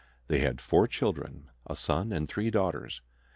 They had four children, a son and three daughters.